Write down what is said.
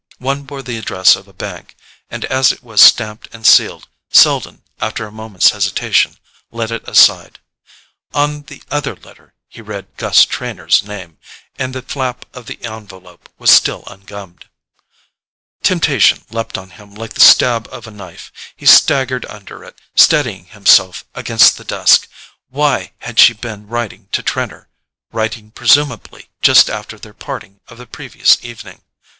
One bore the address of a bank, and as it was stamped and sealed, Selden, after a moment's hesitation, laid it aside. On the other letter he read Gus Trenor's name; and the flap of the envelope was still ungummed. Temptation leapt on him like the stab of a knife. He staggered under it, steadying himself against the desk. Why had she been writing to Trenor—writing, presumably, just after their parting of the previous evening?